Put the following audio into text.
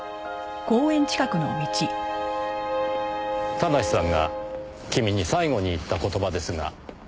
田無さんが君に最後に言った言葉ですが。